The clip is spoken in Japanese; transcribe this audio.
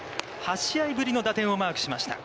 ８試合ぶりの打点をマークしました。